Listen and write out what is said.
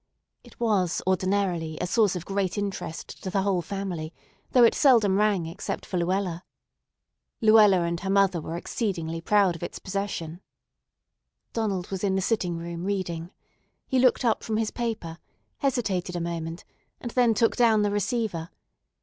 It was ordinarily a source of great interest to the whole family, though it seldom rang except for Luella. Luella and her mother were exceedingly proud of its possession. Donald was in the sitting room reading. He looked up from his paper, hesitated a moment, and then took down the receiver.